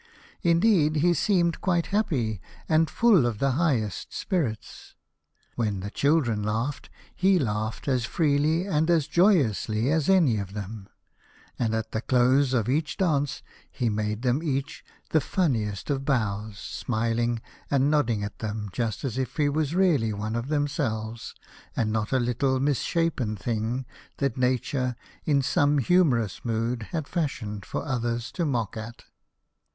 Indeed he seemed quite happy and full of the highest spirits. When the children laughed, he laughed as freely and as joyously as any of them, and at the close of each dance he made them each G 41 A House of Pomegranates. the funniest of bows, smiling and nodding at them just as if he was really one of themselves, and not a little misshapen thing that Nature, in some humourous mood, had fashioned for others to mock at.